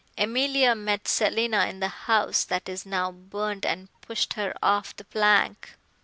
Emilia met Selina in the house that is now burnt and pushed her off the plank.